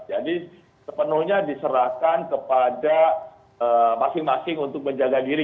jadi sepenuhnya diserahkan kepada masing masing untuk menjaga diri